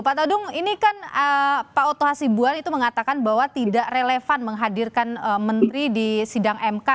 pak todung ini kan pak oto hasibuan itu mengatakan bahwa tidak relevan menghadirkan menteri di sidang mk